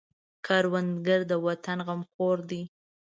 کروندګر د وطن غمخور دی